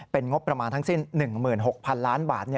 เป็นงบประมาณทั้งสิ้น๑๖๐๐๐ล้านบาท